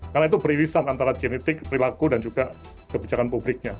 karena itu peririsan antara genetik perilaku dan juga kebijakan publiknya